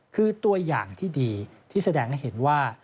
คือตัวอย่างที่ดีที่แสดงให้เห็นว่า